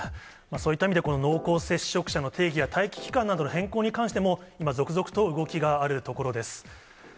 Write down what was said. そういった意味で、この濃厚接触者の定義や待期期間の変更に関しても、今、続々と動きがあるところです。